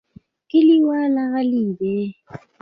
کلیوال غلي دي .